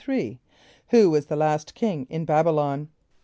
= Who was the last king in B[)a]b´[)y] lon?